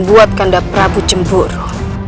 membuat kanda prabu cemburu